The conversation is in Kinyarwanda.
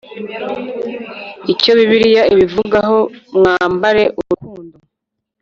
Icyo Bibiliya ibivugaho Mwambare urukundo